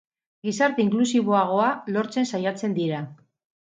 Gizarte inklusiboagoa lortzen saiatzen dira.